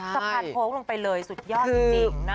สะพานโค้งลงไปเลยสุดยอดจริง